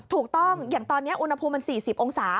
ถูกต้องอย่างตอนนี้อุณหภูมิมัน๔๐องศา